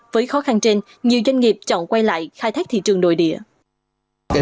với khó khăn trên nhiều doanh nghiệp chọn quay lại khai thác thị trường nội địa